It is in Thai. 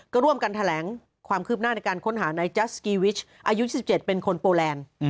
ก็ร่วมกันแถลงความคืบหน้าในการค้นหานายจัสสกีวิชอายุ๒๗เป็นคนโปแลนด์